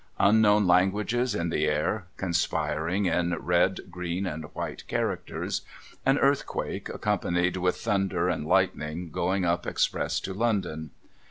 Unknown languages in the air, conspiring in red, green, and white characters. An earthquake, accompanied with thunder and lightning, going up express to London.